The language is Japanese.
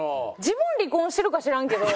自分離婚してるか知らんけど！